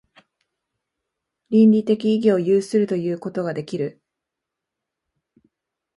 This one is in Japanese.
倫理的意義を有するということができる。